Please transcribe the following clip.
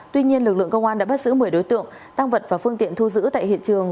tuy nhiên lực lượng công an đã bắt giữ một mươi đối tượng tăng vật và phương tiện thu giữ tại hiện trường